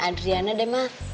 adriana deh mah